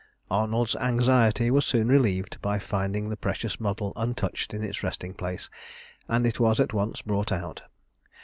Arnold's anxiety was soon relieved by finding the precious model untouched in its resting place, and it was at once brought out.